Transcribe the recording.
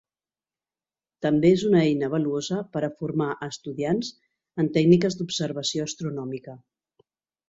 També és una eina valuosa per a formar a estudiants en tècniques d'observació astronòmica.